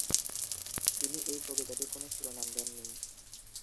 তিনি এই কবিতাটির কোনো শিরোনাম দেননি।